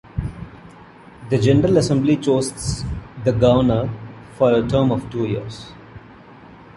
The General Assembly chose the Governor for a term of two years.